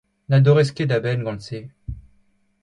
Na dorrez ket da benn gant se.